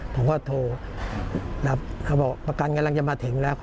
ผมก็โทรรับเขาบอกประกันกำลังจะมาถึงแล้ว